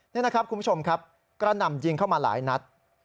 นี่นะครับคุณผู้ชมครับกระหน่ำยิงเข้ามาหลายนัด